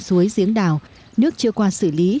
thuyền đã có những buổi làm việc với tỉnh